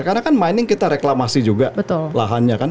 karena kan mining kita reklamasi juga lahannya kan